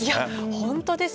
本当ですよ。